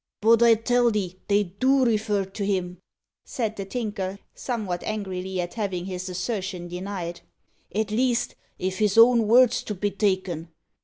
"But I tell 'ee they do refer to him," said the Tinker, somewhat angrily, at having his assertion denied; "at least, if his own word's to be taken.